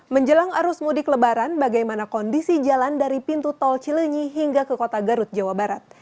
menjelang arus mudik lebaran bagaimana kondisi jalan dari pintu tol cilenyi hingga ke kota garut jawa barat